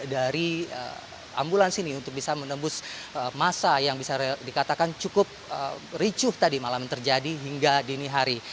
dari ambulans ini untuk bisa menembus masa yang bisa dikatakan cukup ricuh tadi malam yang terjadi hingga dini hari